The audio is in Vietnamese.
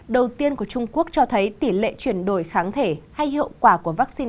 đầu tiên của trung quốc cho thấy tỷ lệ chuyển đổi kháng thể hay hiệu quả của vaccine